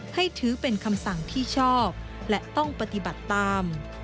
ถือเป็นคำสั่งที่ชอบและต้องปฏิบัติตาม